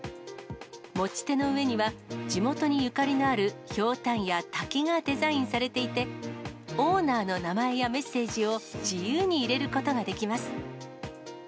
持ち手の上には、地元にゆかりのあるひょうたんや滝がデザインされていて、オーナーの名前やメッセージを自由に入れることができます。